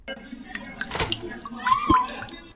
Těží se dřevo a černé uhlí.